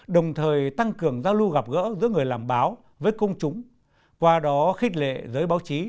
đồng thời tăng cường giao lưu gặp gỡ giữa người làm báo với công chúng qua đó khích lệ giới báo chí